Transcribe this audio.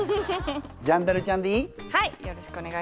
ジャンダルちゃんでいい？